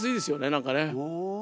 何かね。